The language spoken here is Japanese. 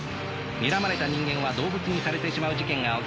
にらまれた人間は動物にされてしまう事件が起きていた。